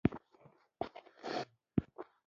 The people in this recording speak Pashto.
د افرادو له شخصي خصوصیاتو سره بلدیت.